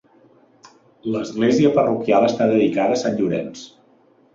L'església parroquial està dedicada a Sant Llorenç.